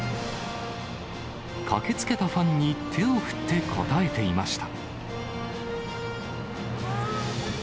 駆けつけたファンに、手を振って応えていました。